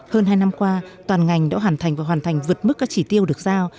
hơn hai năm qua toàn ngành đã hoàn thành và hoàn thành vượt mức các chỉ tiêu được giao